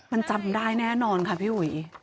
มันจำได้แน่นอนค่ะพี่อุ๋ย